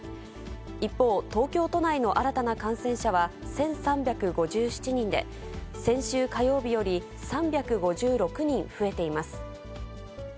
一方、東京都内の新たな感染者は１３５７人で、先週火曜日より３５６人増えています。